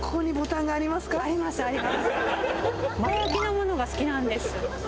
前開きのものが好きなんです。